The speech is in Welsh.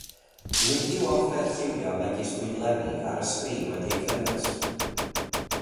Nid yw offer llywio megis bwydlenni ar y sgrîn wedi'u cynnwys.